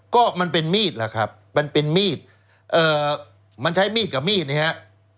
ก็มันเป็นมีดล่ะครับมันใช้มีดกับมีดนะครับ